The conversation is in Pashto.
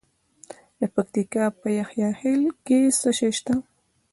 د پکتیکا په یحیی خیل کې څه شی شته؟